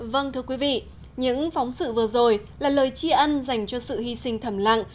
vâng thưa quý vị những phóng sự vừa rồi là lời chi ân dành cho sự hy sinh thầm lặng